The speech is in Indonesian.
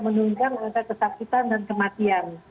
menunggang atas kesakitan dan kematian